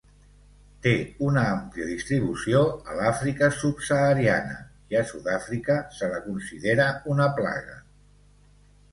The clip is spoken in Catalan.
Té una àmplia distribució a l'Àfrica subsahariana i a Sud-àfrica se la considera una plaga.